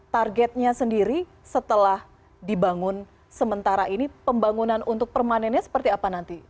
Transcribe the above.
targetnya sendiri setelah dibangun sementara ini pembangunan untuk permanennya seperti apa nanti